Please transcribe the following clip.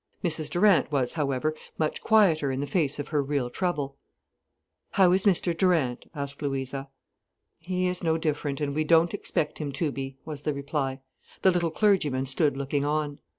Mrs Durant was, however, much quieter in the face of her real trouble. "How is Mr Durant?" asked Louisa. "He is no different—and we don't expect him to be," was the reply. The little clergyman stood looking on.